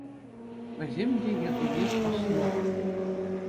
Вӗсем те йӗркене пӑснӑ.